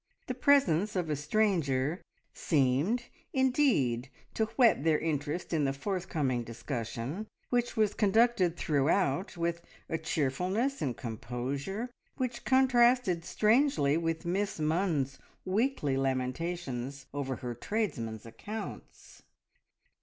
The presence of a stranger seemed indeed to whet their interest in the forthcoming discussion, which was conducted throughout with a cheerfulness and composure which contrasted strangely with Miss Munns's weekly lamentations over her tradesmen's accounts.